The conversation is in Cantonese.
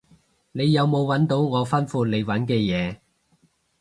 你有冇搵到我吩咐你搵嘅嘢？